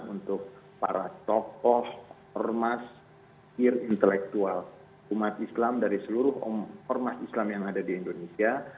untuk para tokoh ormas kir intelektual umat islam dari seluruh ormas islam yang ada di indonesia